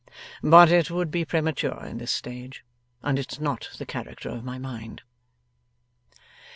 But it would be premature in this stage, and it's not the character of my mind.